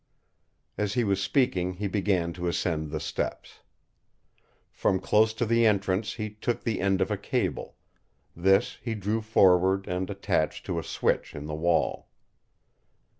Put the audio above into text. As he was speaking, he began to ascend the steps. From close to the entrance he took the end of a cable; this he drew forward and attached to a switch in the wall.